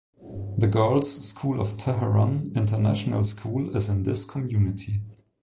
The girls' school of Tehran International School is in this community.